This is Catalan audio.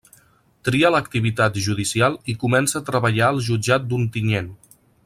Tria l'activitat judicial i comença a treballar al Jutjat d'Ontinyent.